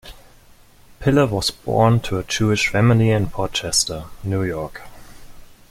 Piller was born to a Jewish family in Port Chester, New York.